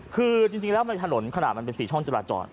คือจริงแล้วถนนขนาดมันเป็น๔ช่องจราจร